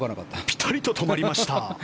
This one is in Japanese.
ピタリと止まりました。